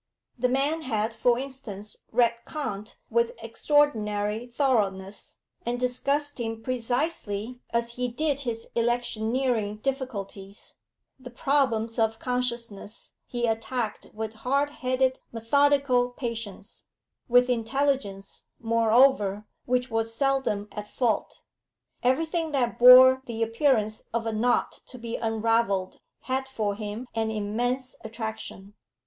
The man had, for instance, read Kant with extraordinary thoroughness, and discussed him precisely as he did his electioneering difficulties; the problems of consciousness he attacked with hard headed, methodical patience, with intelligence, moreover, which was seldom at fault. Everything that bore the appearance of a knot to be unravelled had for him an immense attraction.